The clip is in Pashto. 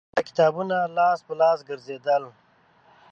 دا کتابونه لاس په لاس ګرځېدل